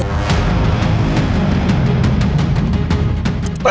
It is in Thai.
เกลียดสดิภาพ